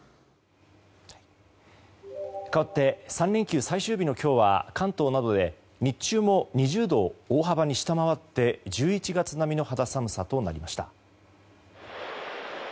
かわって３連休最終日の今日は関東などで日中も２０度を大幅に下回って１１月並みの肌寒さとなりました。